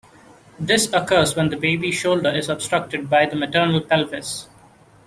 This occurs when the baby's shoulder is obstructed by the maternal pelvis.